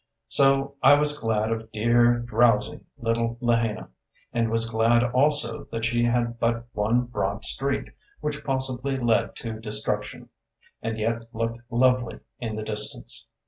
So I was glad of dear, drowsy, little Lahaina; and was glad, also, that she had but one broad street, which possibly led to destruction, and yet looked lovely in the distance.